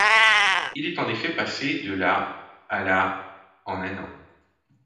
Il est en effet passé de la à la en un an.